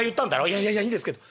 「いやいやいやいいんですけど。